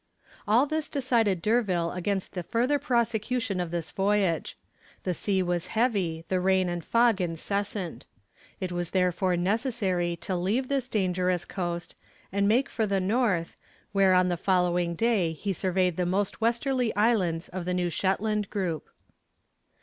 All this decided D'Urville against the further prosecution of this voyage. The sea was heavy, the rain and fog incessant. It was therefore necessary to leave this dangerous coast, and make for the north, where on the following day he surveyed the most westerly islands of the New Shetland group.